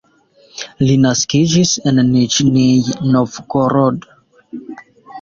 Li naskiĝis en Niĵnij Novgorod.